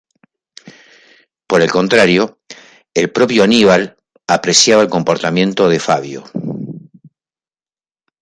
Por el contrario, el propio Aníbal apreciaba el comportamiento de Fabio.